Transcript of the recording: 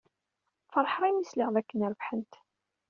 Feṛḥeɣ mi sliɣ dakken rebḥent.